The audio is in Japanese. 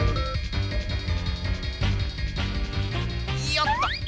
よっと！